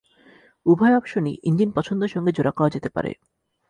উভয় অপশনই ইঞ্জিন পছন্দ সঙ্গে জোড়া করা যেতে পারে।